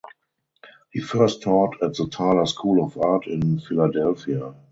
He first taught at the Tyler School of Art in Philadelphia.